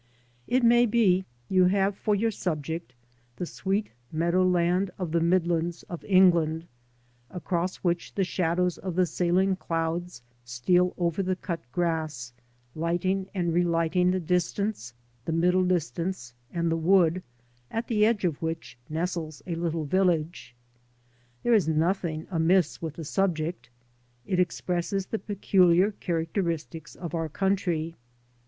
It may be you have for your subject the sweet meadow land of the Midlands of England, across which the shadows of the sailing clouds steal over the cut grass, lighting and re lighting the distance, the middle distance and the wood, at the edge of which nestles a little village. There is nothing amiss with the subject. It expresses the peculiar characteristics of our country.